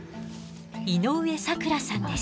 井上咲楽さんです。